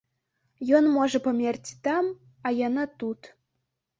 Ён можа памерці там, а яна тут.